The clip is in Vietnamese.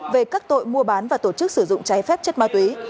về các tội mua bán và tổ chức sử dụng trái phép chất ma túy